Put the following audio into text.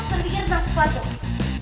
terpikir transparan dong